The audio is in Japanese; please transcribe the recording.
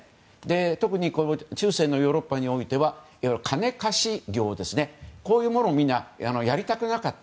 特に中世のヨーロッパにおいては金貸し業こういうものをみんなやりたくなかった。